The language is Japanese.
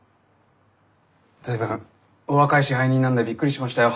随分お若い支配人なんでびっくりしましたよ。